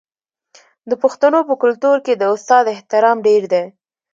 د پښتنو په کلتور کې د استاد احترام ډیر دی.